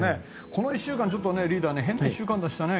この１週間、リーダー変な１週間でしたね。